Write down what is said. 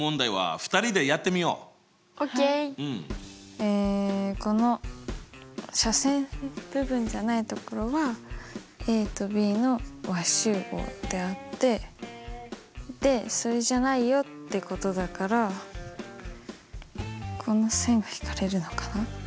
えこの斜線部分じゃない所はＡとＢの和集合であってでそれじゃないよってことだからこの線が引かれるのかな？